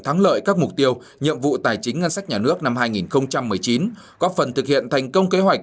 thắng lợi các mục tiêu nhiệm vụ tài chính ngân sách nhà nước năm hai nghìn một mươi chín góp phần thực hiện thành công kế hoạch